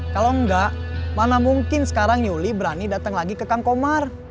kalau enggak mana mungkin sekarang yuli berani datang lagi ke kang komar